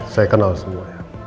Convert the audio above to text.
saya kenal semuanya